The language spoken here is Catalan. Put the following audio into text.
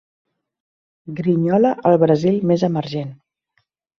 Grinyola al Brasil més emergent.